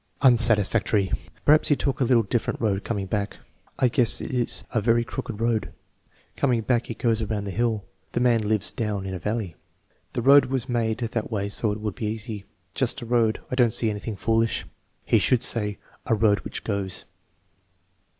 Unsatisfactory. "Perhaps He took a little different road coming back." "I guess it is a very crooked road." "Coining back he goes around the hill." "The man lives down in a valley." "The road was made that way so it would be easy." "Just a road. I don't see anything foolish." "He should say, 'a road which goes.'